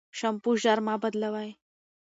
شامپو ژر مه بدلوی.